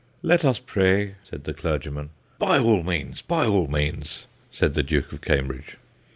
' Let us pray/ said the clergyman :* By all means, by all means/ said the Duke of Cambridge.